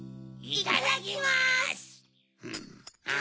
いただきます！